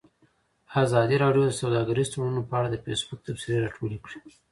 ازادي راډیو د سوداګریز تړونونه په اړه د فیسبوک تبصرې راټولې کړي.